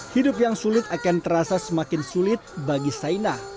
hidup yang sulit akan terasa semakin sulit bagi saina